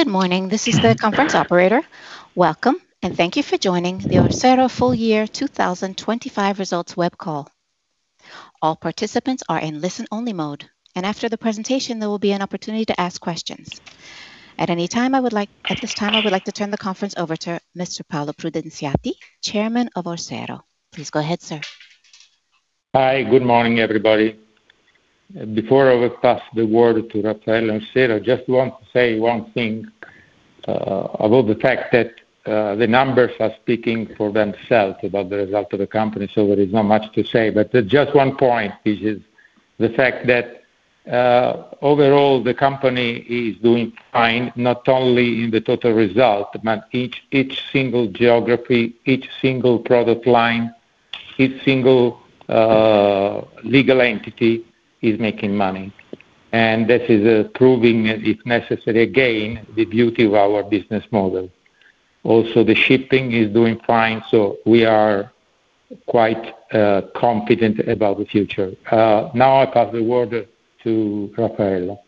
Good morning. This is the conference operator. Welcome, and thank you for joining the Orsero Full Year 2025 Results Web Call. All participants are in listen-only mode, and after the presentation, there will be an opportunity to ask questions. At this time, I would like to turn the conference over to Mr. Paolo Prudenziati, Chairman of Orsero. Please go ahead, sir. Hi. Good morning, everybody. Before I will pass the word to Raffaella Orsero, I just want to say one thing about the fact that the numbers are speaking for themselves about the result of the company, so there is not much to say. Just one point is the fact that overall the company is doing fine, not only in the total result, but each single geography, each single product line, each single legal entity is making money. This is proving if necessary, again, the beauty of our business model. Also, the shipping is doing fine, so we are quite confident about the future. Now I pass the word to Raffaella.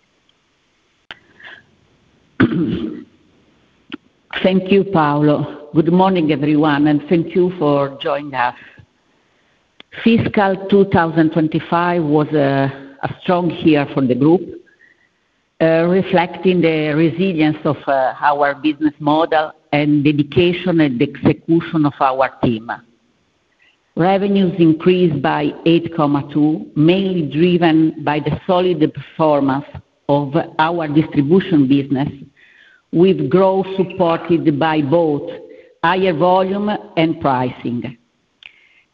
Thank you, Paolo. Good morning, everyone, and thank you for joining us. Fiscal 2025 was a strong year for the group, reflecting the resilience of our business model and dedication and execution of our team. Revenues increased by 8.2%, mainly driven by the solid performance of our distribution business, with growth supported by both higher volume and pricing.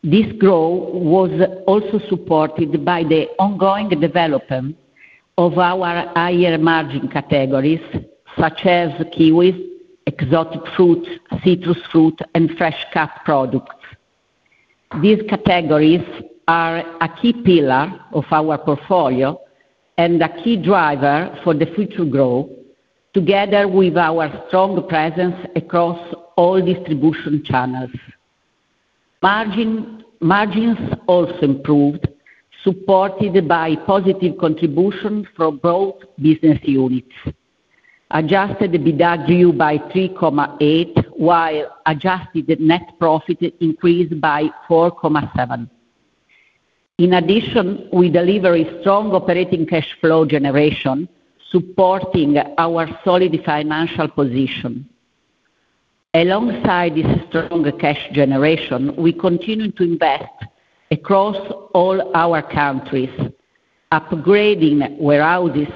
This growth was also supported by the ongoing development of our higher margin categories, such as kiwis, exotic fruits, citrus fruit, and fresh cut products. These categories are a key pillar of our portfolio and a key driver for the future growth, together with our strong presence across all distribution channels. Margins also improved, supported by positive contribution from both business units. Adjusted EBITDA grew by 3.8%, while adjusted net profit increased by 4.7%. In addition, we deliver a strong operating cash flow generation, supporting our solid financial position. Alongside this stronger cash generation, we continue to invest across all our countries, upgrading warehouses,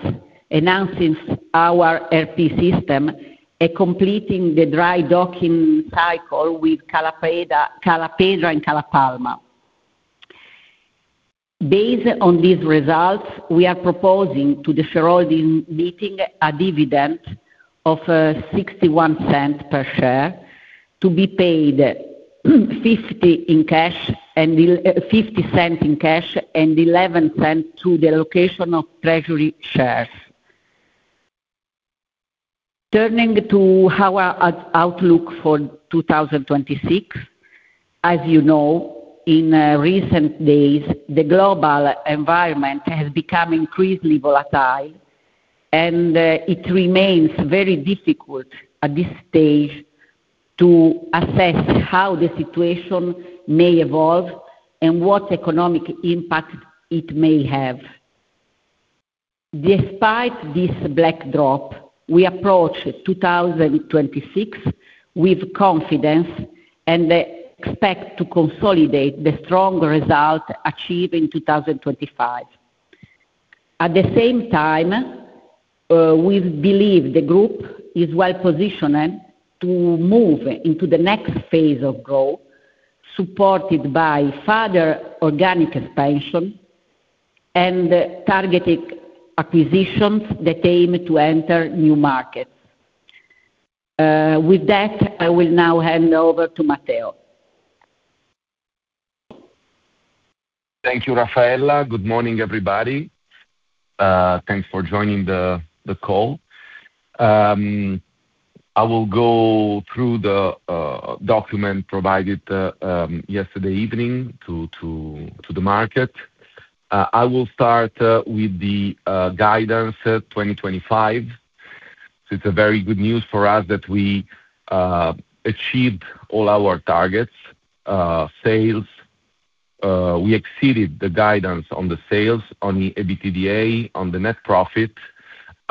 enhancing our ERP system, and completing the dry docking cycle with Cala Pedra and Cala Palma. Based on these results, we are proposing to the shareholder meeting a dividend of 0.61 per share to be paid 0.50 in cash and 0.11 through the allocation of treasury shares. Turning to our outlook for 2026. As you know, in recent days the global environment has become increasingly volatile and it remains very difficult at this stage to assess how the situation may evolve and what economic impact it may have. Despite this backdrop, we approach 2026 with confidence and expect to consolidate the strong result achieved in 2025. At the same time, we believe the group is well-positioned to move into the next phase of growth, supported by further organic expansion and targeted acquisitions that aim to enter new markets. With that, I will now hand over to Matteo. Thank you, Raffaella. Good morning, everybody. Thanks for joining the call. I will go through the document provided yesterday evening to the market. I will start with the guidance 2025. It's a very good news for us that we achieved all our targets. Sales, we exceeded the guidance on the sales, on the EBITDA, on the net profit.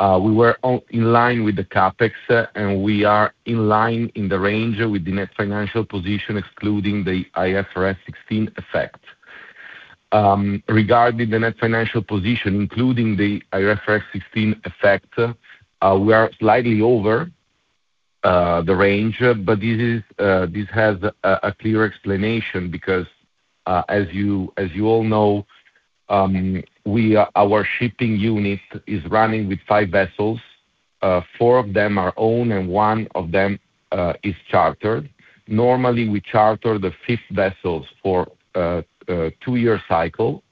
We were in line with the CapEx, and we are in line in the range with the net financial position, excluding the IFRS 16 effect. Regarding the net financial position, including the IFRS 16 effect, we are slightly over the range, but this has a clear explanation because, as you all know, our shipping unit is running with five vessels. Four of them are owned and one of them is chartered. Normally, we charter the fifth vessels for a two-year cycle.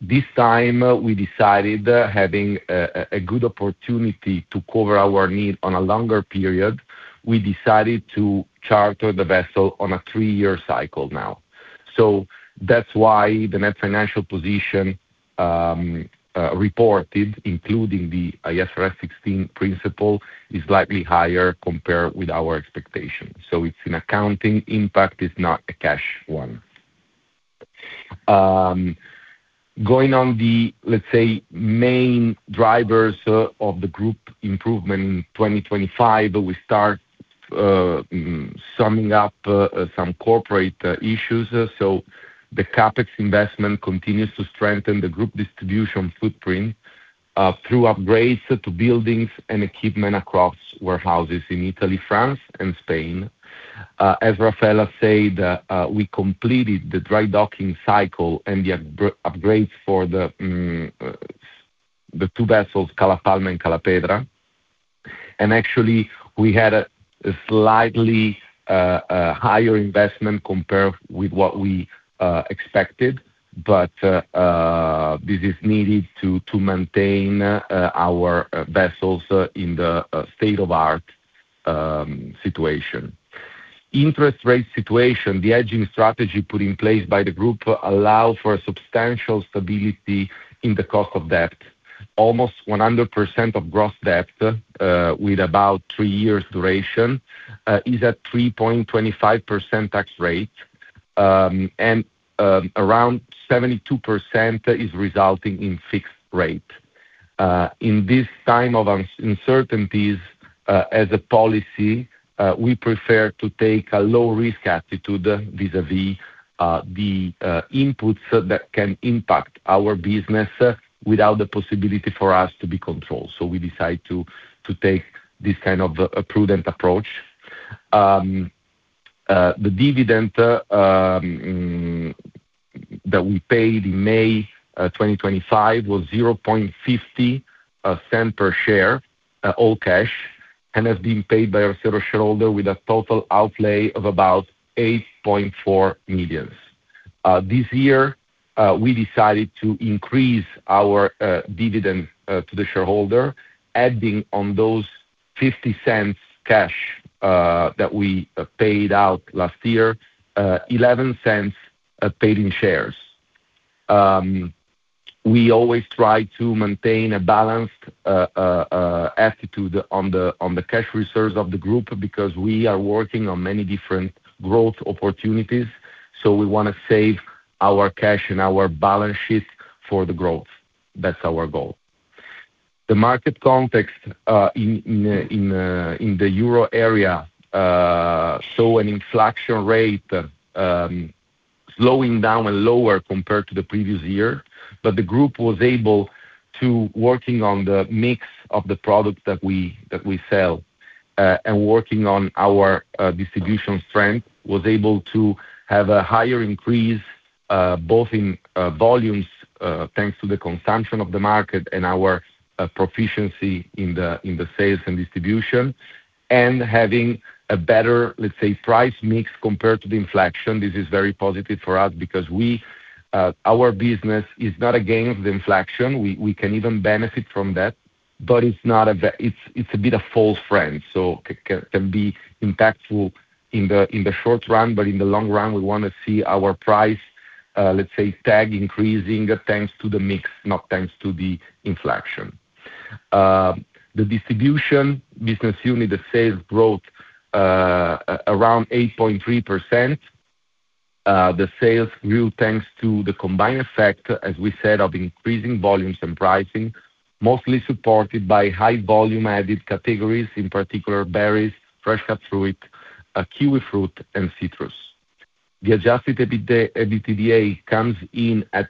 This time we decided, having a good opportunity to cover our need on a longer period, we decided to charter the vessel on a three-year cycle now. That's why the net financial position reported, including the IFRS 16 principle, is slightly higher compared with our expectations. It's an accounting impact, it's not a cash one. Going on the, let's say, main drivers of the group improvement in 2025, we start summing up some corporate issues. The CapEx investment continues to strengthen the group distribution footprint through upgrades to buildings and equipment across warehouses in Italy, France and Spain. As Raffaella said, we completed the dry docking cycle and the upgrades for the two vessels, Cala Palma and Cala Pedra. Actually we had a slightly higher investment compared with what we expected. This is needed to maintain our vessels in the state-of-the-art situation. Interest rate situation. The hedging strategy put in place by the group allow for substantial stability in the cost of debt. Almost 100% of gross debt, with about three years duration, is at 3.25% interest rate, and around 72% is resulting in fixed rate. In this time of uncertainties, as a policy, we prefer to take a low risk attitude vis-à-vis the inputs that can impact our business without the possibility for us to be controlled. We decide to take this kind of a prudent approach. The dividend that we paid in May 2025 was 0.50 per share, all cash, and has been paid by our shareholders with a total outlay of about 8.4 million. This year, we decided to increase our dividend to the shareholder, adding on those 0.50 cash that we paid out last year, 0.11 paid in shares. We always try to maintain a balanced attitude on the cash reserves of the group because we are working on many different growth opportunities, so we wanna save our cash and our balance sheet for the growth. That's our goal. The market context in the euro area saw an inflation rate slowing down and lower compared to the previous year. The group was able to working on the mix of the products that we sell and working on our distribution strength, was able to have a higher increase both in volumes thanks to the consumption of the market and our proficiency in the sales and distribution, and having a better, let's say, price mix compared to the inflation. This is very positive for us because our business is not against the inflation. We can even benefit from that, but it's a bit of a false friend, so it can be impactful in the short run, but in the long run, we wanna see our price, let's say, tag increasing thanks to the mix, not thanks to the inflation. The distribution business unit, the sales growth around 8.3%. The sales grew thanks to the combined effect, as we said, of increasing volumes and pricing, mostly supported by high value added categories, in particular berries, fresh cut fruit, kiwi fruit and citrus. The Adjusted EBITDA comes in at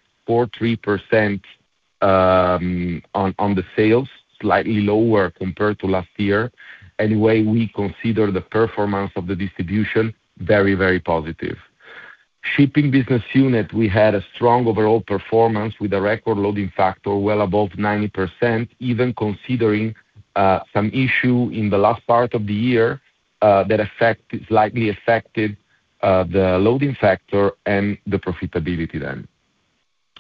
43% on the sales, slightly lower compared to last year. Anyway, we consider the performance of the distribution very, very positive. Shipping business unit, we had a strong overall performance with a record loading factor well above 90%, even considering some issue in the last part of the year that slightly affected the loading factor and the profitability then.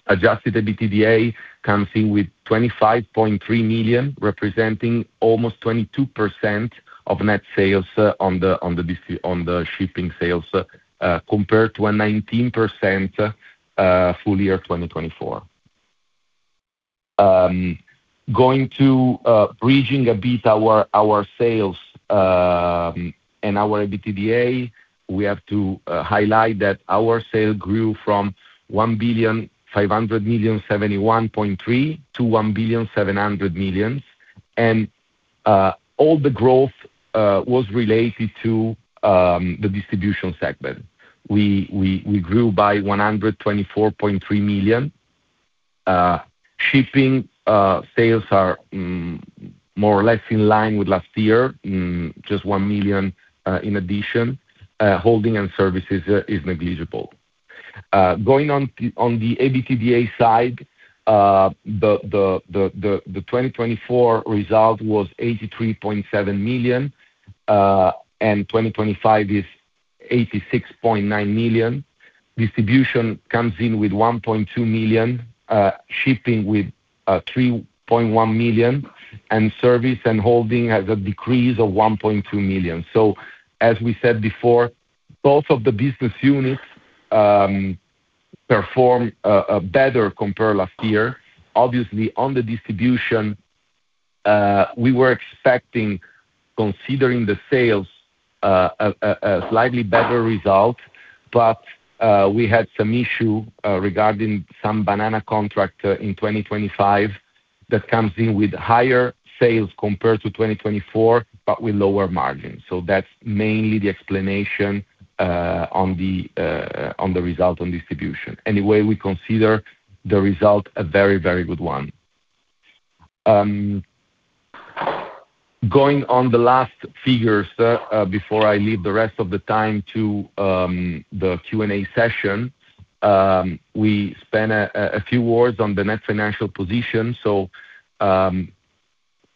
Adjusted EBITDA comes in with 25.3 million, representing almost 22% of net sales on the shipping sales compared to a 19% full year 2024. Going to bridging a bit our sales and our EBITDA, we have to highlight that our sales grew from 1,571.3 million-1,700 million. All the growth was related to the distribution segment. We grew by 124.3 million. Shipping sales are more or less in line with last year, just 1 million in addition. Holding and services is negligible. Going on the EBITDA side, the 2024 result was 83.7 million, and 2025 is 86.9 million. Distribution comes in with 1.2 million, shipping with 3.1 million, and service and holding has a decrease of 1.2 million. As we said before. Both of the business units perform better compared to last year. Obviously on the distribution, we were expecting considering the sales, a slightly better result, but we had some issue regarding some banana contract in 2025 that comes in with higher sales compared to 2024, but with lower margins. That's mainly the explanation on the result on distribution. Anyway, we consider the result a very, very good one. Going on the last figures, before I leave the rest of the time to the Q&A session, we spent a few words on the net financial position.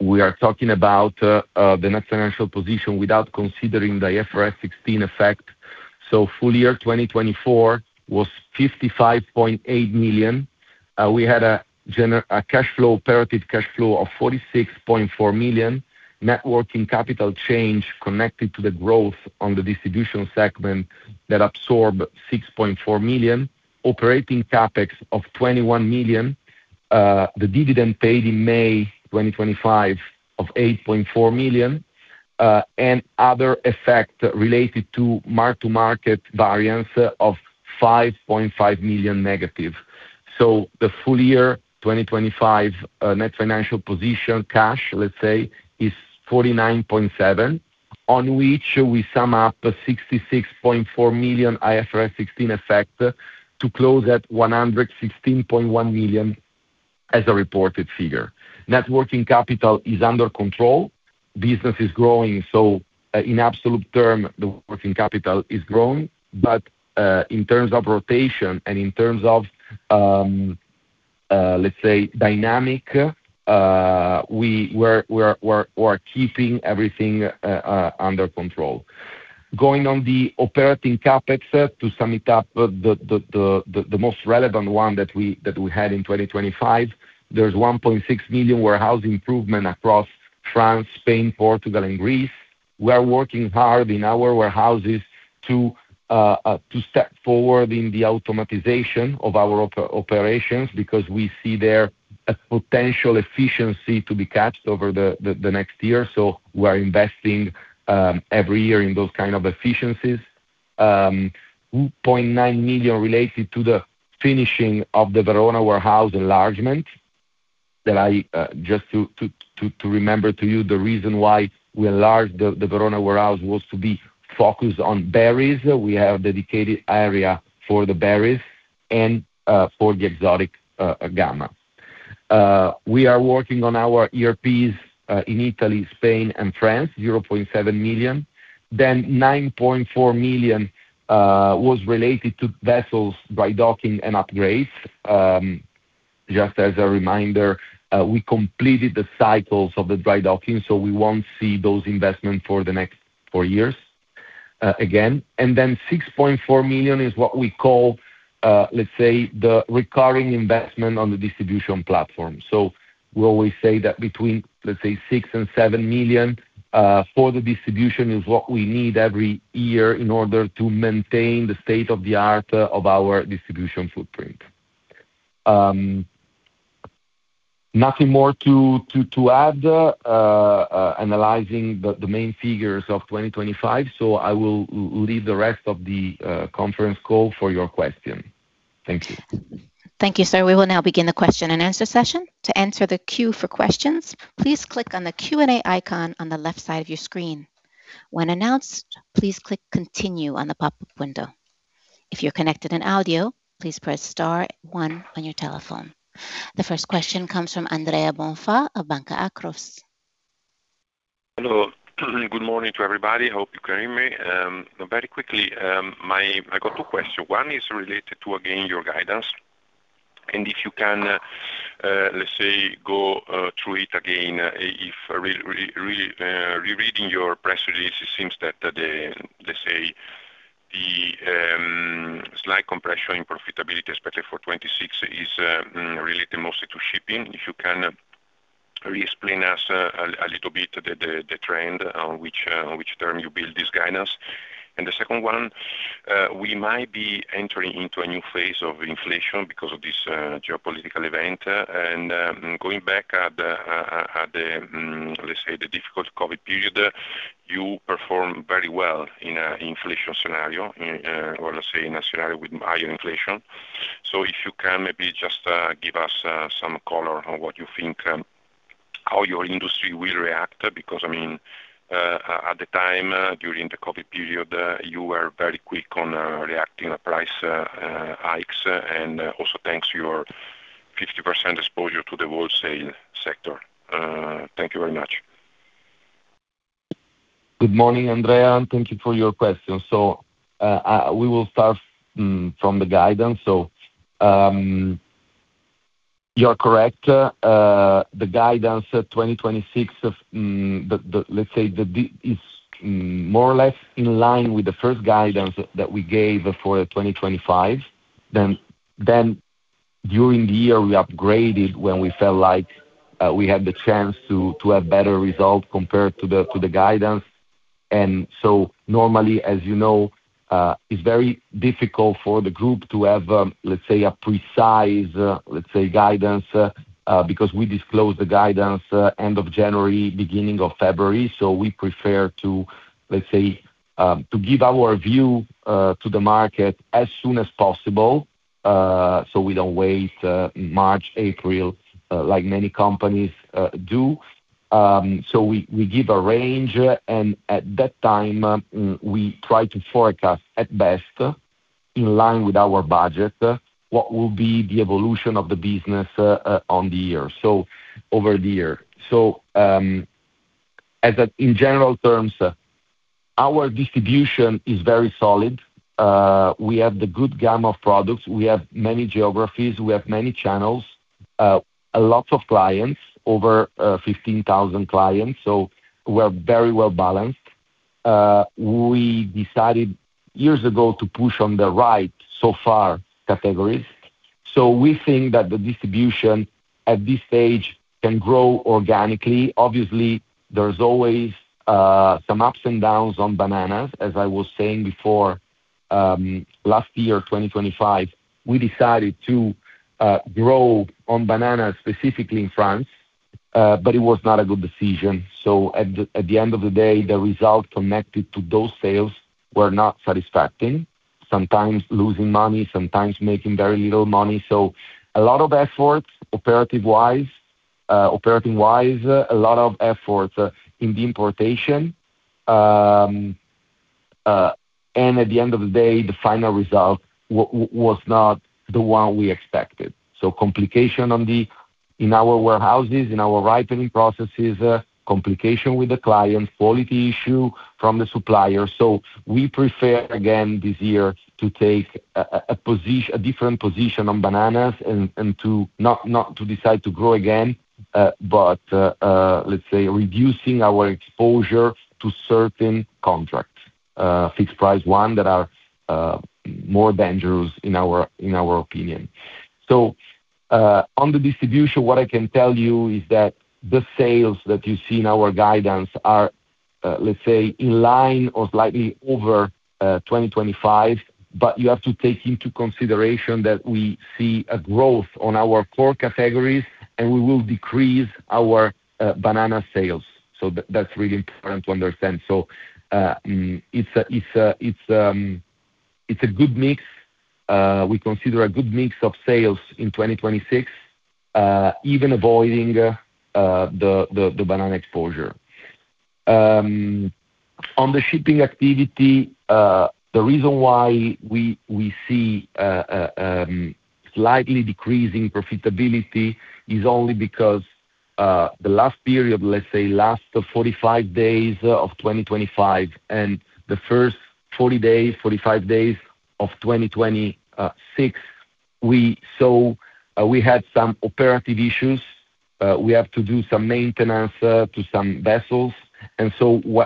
We are talking about the net financial position without considering the IFRS 16 effect. Full year 2024 was 55.8 million. We generated operating cash flow of 46.4 million. Net working capital change connected to the growth on the distribution segment that absorbed 6.4 million. Operating CapEx of 21 million. The dividend paid in May 2025 of 8.4 million, and other effects related to mark-to-market variance of 5.5 million negative. The full year 2025 net financial position cash, let's say, is 49.7 million, on which we sum up 66.4 million IFRS 16 effect to close at 116.1 million as a reported figure. Net working capital is under control. Business is growing, so in absolute terms, the working capital is growing. In terms of rotation and in terms of, let's say dynamics, we're keeping everything under control. Going on the operating CapEx, to sum it up, the most relevant one that we had in 2025, there's 1.6 million warehouse improvement across France, Spain, Portugal and Greece. We are working hard in our warehouses to step forward in the automation of our operations, because we see there a potential efficiency to be captured over the next year. We are investing every year in those kind of efficiencies. 0.9 million related to the finishing of the Verona warehouse enlargement that I just to remind you the reason why we enlarged the Verona warehouse was to be focused on berries. We have a dedicated area for the berries and for the exotic gamma. We are working on our ERPs in Italy, Spain and France, 0.7 million. 9.4 million was related to vessels dry docking and upgrades. Just as a reminder, we completed the cycles of the dry docking, so we won't see those investments for the next four years again. 6.4 million is what we call, let's say, the recurring investment on the distribution platform. We always say that between, let's say, 6 million and 7 million for the distribution is what we need every year in order to maintain the state of the art of our distribution footprint. Nothing more to add, analyzing the main figures of 2025. I will leave the rest of the conference call for your question. Thank you. Thank you, sir. We will now begin the question and answer session. To enter the queue for questions, please click on the Q&A icon on the left side of your screen. When announced, please click Continue on the pop-up window. If you're connected on audio, please press star one on your telephone. The first question comes from Andrea Bonfà of Banca Akros. Hello. Good morning to everybody. Hope you can hear me. Very quickly, I got two questions. One is related to your guidance again, and if you can, let's say, go through it again. If rereading your press release, it seems that the, let's say, slight compression in profitability, especially for 2026, is related mostly to shipping. If you can re-explain to us a little bit the trend on which terms you build this guidance. The second one, we might be entering into a new phase of inflation because of this geopolitical event. Going back to the difficult COVID period, you perform very well in an inflation scenario, or let's say in a scenario with higher inflation. If you can maybe just give us some color on what you think, how your industry will react, because I mean, at the time, during the COVID period, you were very quick on reacting on price hikes, and also thanks to your 50% exposure to the wholesale sector. Thank you very much. Good morning, Andrea, and thank you for your question. We will start from the guidance. You're correct. The guidance at 2026 of, let's say, is more or less in line with the first guidance that we gave for 2025. During the year, we upgraded when we felt like we had the chance to have better results compared to the guidance. Normally, as you know, it's very difficult for the group to have, let's say, a precise, let's say, guidance, because we disclose the guidance end of January, beginning of February. We prefer, let's say, to give our view to the market as soon as possible. We don't wait March, April, like many companies do. We give a range, and at that time, we try to forecast at best in line with our budget, what will be the evolution of the business over the year. In general terms, our distribution is very solid. We have a good gamma of products. We have many geographies. We have many channels, a lot of clients, over 15,000 clients, so we're very well-balanced. We decided years ago to push on the fresh cut categories. We think that the distribution at this stage can grow organically. Obviously, there's always some ups and downs on bananas. As I was saying before, last year, 2025, we decided to grow on bananas specifically in France, but it was not a good decision. At the end of the day, the results connected to those sales were not satisfying. Sometimes losing money, sometimes making very little money. A lot of efforts operating-wise, a lot of efforts in the importation. At the end of the day, the final result was not the one we expected. Complications in the warehouses, in our ripening processes, complication with the client, quality issue from the supplier. We prefer again this year to take a different position on bananas and to not decide to grow again, but let's say, reducing our exposure to certain fixed-price contracts that are more dangerous in our opinion. On the distribution, what I can tell you is that the sales that you see in our guidance are, let's say, in line or slightly over 2025, but you have to take into consideration that we see a growth on our core categories, and we will decrease our banana sales. That's really important to understand. It's a good mix. We consider a good mix of sales in 2026, even avoiding the banana exposure. On the shipping activity, the reason why we see a slightly decreasing profitability is only because the last period, let's say, last 45 days of 2025 and the first 45 days of 2026, we had some operational issues. We have to do some maintenance to some vessels.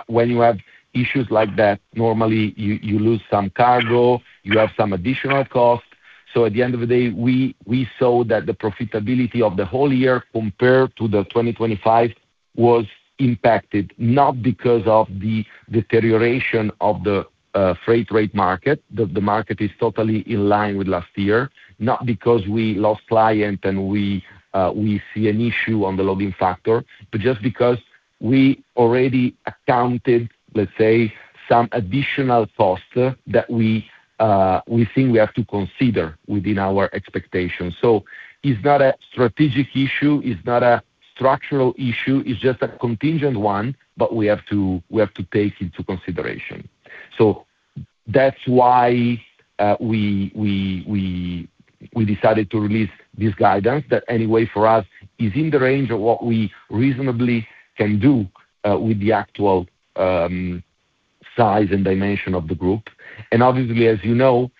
When you have issues like that, normally you lose some cargo, you have some additional costs. At the end of the day, we saw that the profitability of the whole year compared to 2025 was impacted, not because of the deterioration of the freight rate market. The market is totally in line with last year, not because we lost client and we see an issue on the loading factor, but just because we already accounted, let's say, some additional costs that we think we have to consider within our expectations. It's not a strategic issue, it's not a structural issue, it's just a contingent one. We have to take into consideration. That's why we decided to release this guidance that anyway for us is in the range of what we reasonably can do with the actual size and dimension of the group. Obviously, as you know,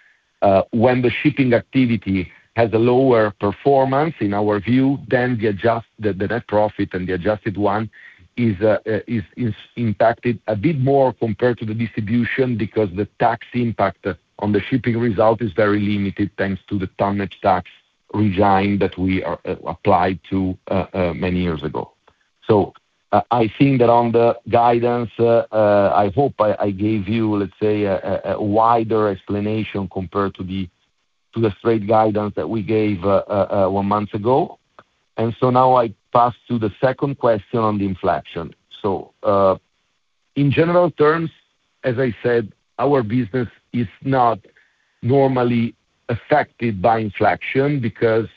when the shipping activity has a lower performance in our view, then the net profit and the adjusted one is impacted a bit more compared to the distribution because the tax impact on the shipping result is very limited, thanks to the tonnage tax regime that we applied to many years ago. I think that on the guidance I hope I gave you, let's say a wider explanation compared to the straight guidance that we gave one month ago. Now I pass to the second question on the inflation. In general terms, as I said, our business is not normally affected by inflation because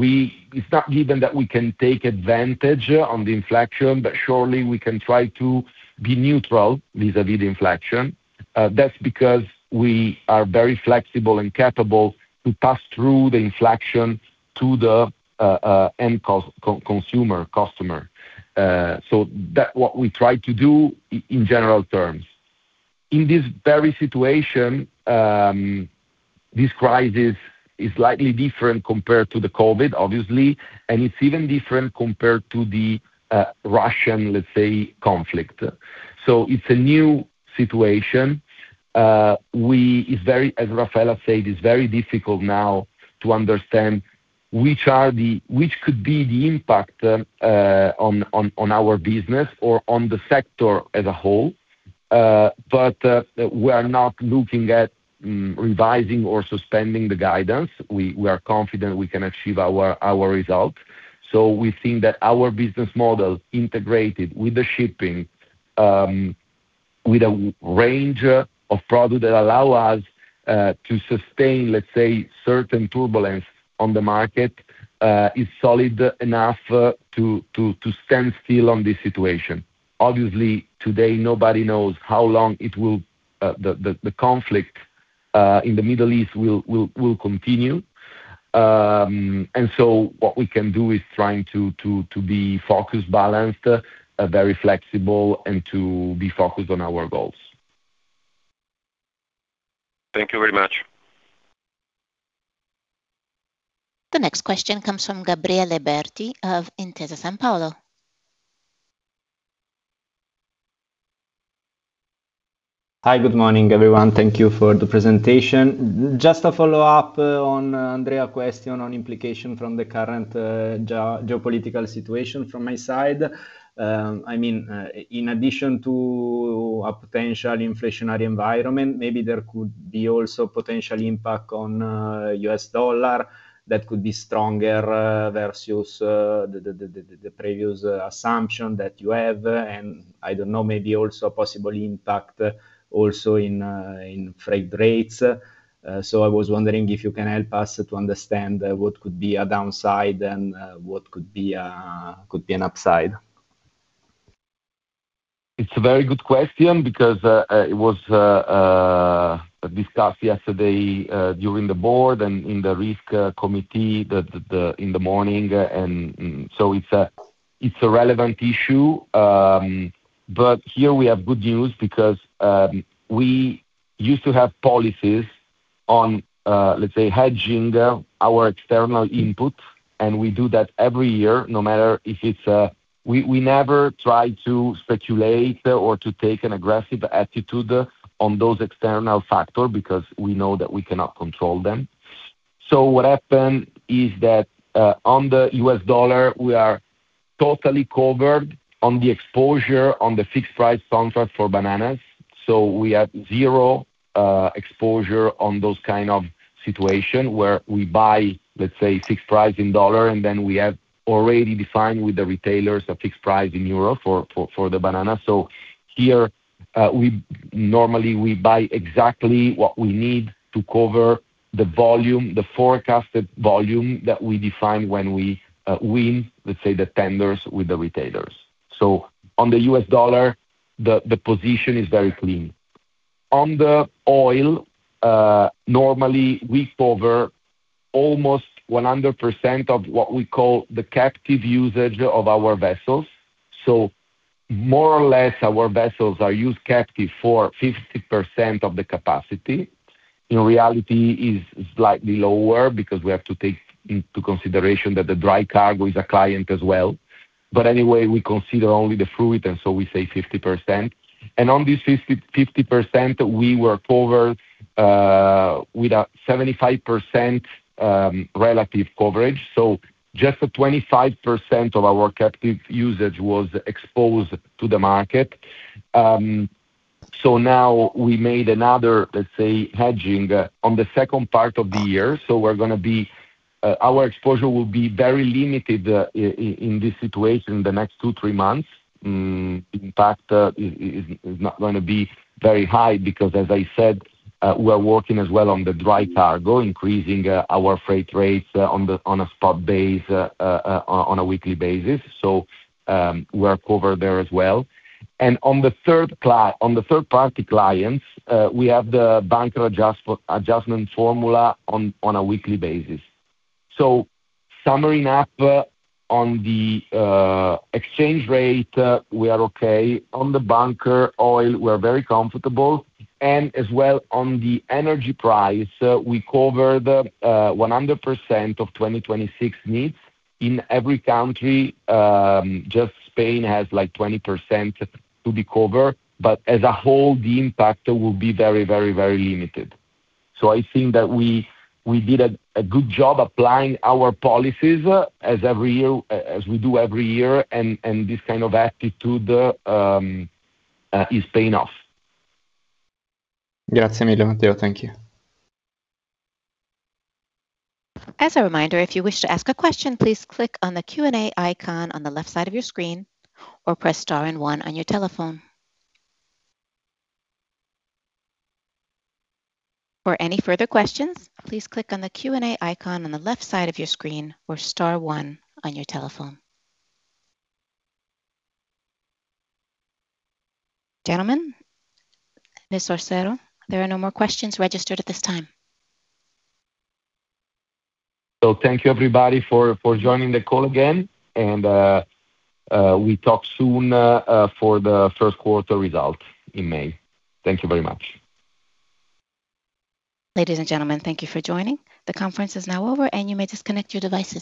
it's not given that we can take advantage on the inflation, but surely we can try to be neutral vis-à-vis the inflation. That's because we are very flexible and capable to pass through the inflation to the end consumer, customer. So that what we try to do in general terms. In this very situation, this crisis is slightly different compared to the COVID, obviously, and it's even different compared to the Russian, let's say, conflict. It's a new situation. As Raffaella said, it's very difficult now to understand which are the. which could be the impact on our business or on the sector as a whole. We are not looking at revising or suspending the guidance. We are confident we can achieve our results. We think that our business model integrated with the shipping, with a range of products that allow us to sustain, let's say, certain turbulence on the market, is solid enough to withstand this situation. Obviously, today, nobody knows how long the conflict in the Middle East will continue. What we can do is try to be focused, balanced, very flexible, and focused on our goals. Thank you very much. The next question comes from Gabriele Berti of Intesa Sanpaolo. Hi. Good morning, everyone. Thank you for the presentation. Just a follow-up on Andrea's question on implications from the current geopolitical situation from my side. I mean, in addition to a potential inflationary environment, maybe there could be also potential impact on U.S. dollar that could be stronger versus the previous assumption that you have, and I don't know, maybe also possibly impact also in freight rates. I was wondering if you can help us to understand what could be a downside and what could be an upside. It's a very good question because it was discussed yesterday during the board and in the risk committee in the morning. It's a relevant issue. Here we have good news because we used to have policies on, let's say, hedging our external input, and we do that every year, no matter if it's. We never try to speculate or to take an aggressive attitude on those external factor because we know that we cannot control them. What happened is that on the U.S. dollar, we are totally covered on the exposure on the fixed price contract for bananas. We have zero exposure on those kind of situation where we buy, let's say, fixed price in U.S. dollar, and then we have already defined with the retailers a fixed price in euro for the bananas. Here, we normally buy exactly what we need to cover the volume, the forecasted volume that we define when we win, let's say, the tenders with the retailers. On the U.S. Dollar, the position is very clean. On the oil, normally, we cover almost 100% of what we call the captive usage of our vessels. More or less, our vessels are used captive for 50% of the capacity. In reality, it's slightly lower because we have to take into consideration that the dry cargo is a client as well. Anyway, we consider only the fruit, and so we say 50%. On this 50%, we were covered with a 75% relative coverage. Just a 25% of our captive usage was exposed to the market. Now we made another, let's say, hedging on the second part of the year, our exposure will be very limited in this situation in the next two, three months. In fact, it is not gonna be very high because, as I said, we are working as well on the dry cargo, increasing our freight rates on a spot basis, on a weekly basis. We're covered there as well. On the third-party clients, we have the bunker adjustment formula on a weekly basis. Summing up, on the exchange rate, we are okay. On the bunker oil, we are very comfortable. As well on the energy price, we cover the 100% of 2026 needs in every country. Just Spain has, like, 20% to be covered, but as a whole, the impact will be very, very, very limited. I think that we did a good job applying our policies as every year, as we do every year, and this kind of attitude is paying off. Grazie mille. Thank you. As a reminder, if you wish to ask a question, please click on the Q&A icon on the left side of your screen or press star and one on your telephone. For any further questions, please click on the Q&A icon on the left side of your screen or star one on your telephone. Gentlemen, Ms. Orsero, there are no more questions registered at this time. Thank you, everybody, for joining the call again, and we talk soon for the first quarter results in May. Thank you very much. Ladies, and gentlemen, thank you for joining. The conference is now over, and you may disconnect your devices.